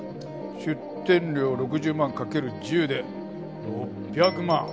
出店料６０万掛ける１０で６００万。